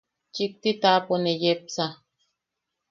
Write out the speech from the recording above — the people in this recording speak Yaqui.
Chikti taʼapo ne yepsa.